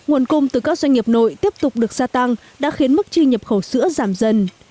nguồn cung từ các doanh nghiệp nội tiếp tục được gia tăng đã khiến mức chi nhập khẩu sữa giảm dần